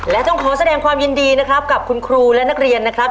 และต้องขอแสดงความยินดีนะครับกับคุณครูและนักเรียนนะครับ